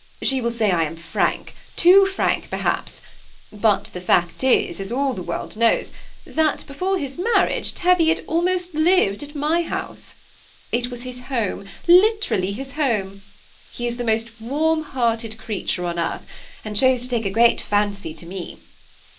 She will say I am frank, too frank perhaps ; but the fact is, as all the world knows, that before his marriage Teviot almost lived at my house. It was his home, literally his home. He is the most warm hearted creature on earth, and chose to take a great fancy to me.